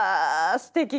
すてき！